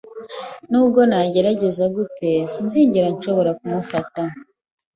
Nubwo nagerageza gute, sinzigera nshobora kumufata